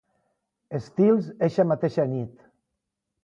Estils eixa mateixa nit.